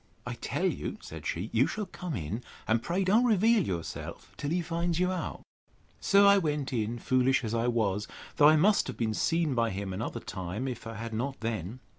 I tell you, said she, you shall come in; and pray don't reveal yourself till he finds you out. So I went in, foolish as I was; though I must have been seen by him another time, if I had not then.